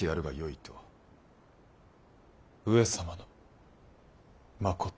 上様のまこと。